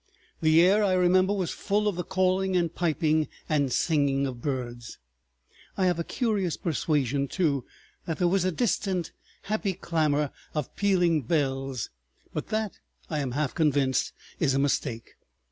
The air, I remember, was full of the calling and piping and singing of birds. I have a curious persuasion too that there was a distant happy clamor of pealing bells, but that I am half convinced is a mistake.